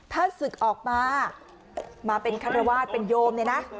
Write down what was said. ถ้าศึกออกมามาเป็นคารวาสเป็นโยมเนี่ยนะ